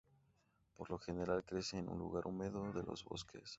Por lo general crece en lugares húmedos de los bosques.